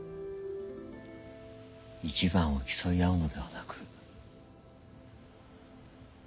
一番を競い合うのではなく。